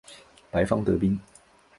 白方得兵。